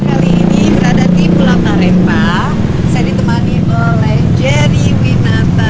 head dari anambas foundation